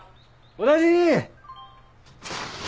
お大事に！